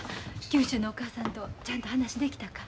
九州のお母さんとちゃんと話できたか？